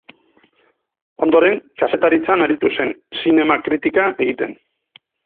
Ondoren, kazetaritzan aritu zen, zinema-kritika egiten.